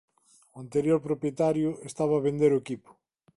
O anterior propietario estaba a vender o equipo.